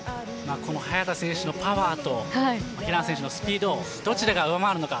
この早田選手のパワーと平野選手のスピードどちらが上回るのか